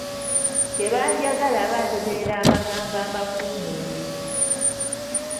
Tebanjagala banjogerera amagambo amakuumuule.